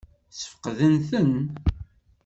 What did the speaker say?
Ssfeqden-ten?